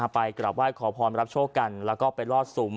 ไปกลับไหว้ขอพรรับโชคกันแล้วก็ไปลอดซุม